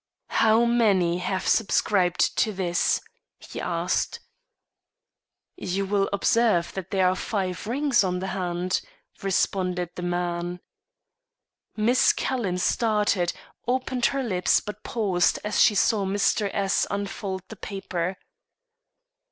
"How many have subscribed to this?" he asked. "You will observe that there are five rings on the hand," responded the man. Miss Calhoun started, opened her lips, but paused as she saw Mr. S unfold the paper.